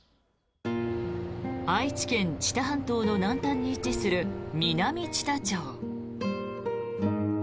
愛知県・知多半島の南端に位置する南知多町。